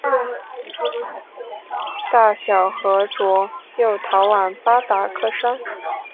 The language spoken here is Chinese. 大小和卓又逃往巴达克山。